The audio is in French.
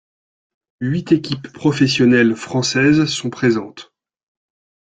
Huit équipes professionnelles françaises sont présentes.